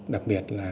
đặc biệt là